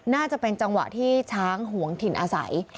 น่าจะเป็นจังหวะที่ช้างหวงถิ่นอาศัย